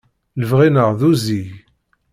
Lebɣi-nneɣ d uzzig.